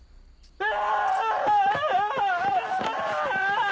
うわ！